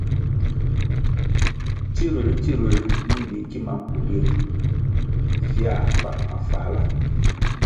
Tsiruer - tsiruer mi mbi kima nkundi ri viãh pan mafáhla.